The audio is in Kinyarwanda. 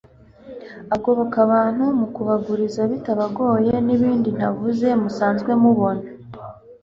agoboka abantu mu kubaguriza bitabagoye n'ibindi ntavuze musanzwe mubona